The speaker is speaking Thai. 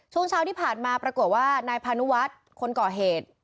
ช่วงเช้าที่ผ่านมาปรากฏว่านายพานุวัฒน์คนก่อเหตุ